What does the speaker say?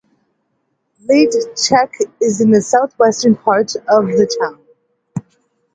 Lake Chetek is in the southwestern part of the town.